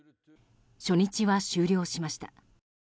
初日は終了しました。